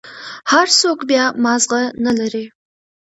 هر سوك بيا مازغه نلري.